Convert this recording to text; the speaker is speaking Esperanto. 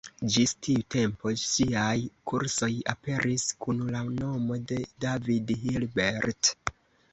Ĝis tiu tempo ŝiaj kursoj aperis kun la nomo de David Hilbert.